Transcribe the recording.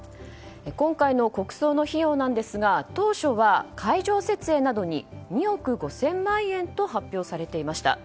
今回の国葬の費用なんですが当初は会場設営などに２億５０００万円と発表されていました。